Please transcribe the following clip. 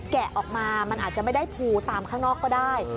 แกะออกมามันอาจจะไม่ได้ภูตามข้างนอกก็ได้